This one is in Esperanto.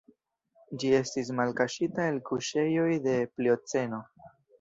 Ĝi estis malkaŝita el kuŝejoj de Plioceno.